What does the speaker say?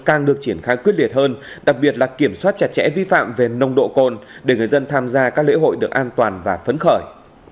càng được triển khai quyết liệt hơn đặc biệt là kiểm soát chặt chẽ vi phạm về nồng độ cồn để người dân tham gia các lễ hội được an toàn và phấn khởi